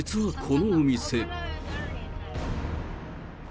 実はこのお店。